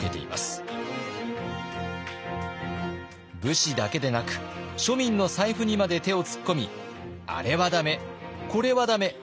武士だけでなく庶民の財布にまで手を突っ込みあれは駄目これは駄目。